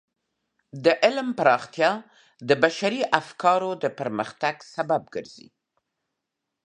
د علم پراختیا د بشري افکارو د پرمختګ سبب ګرځي.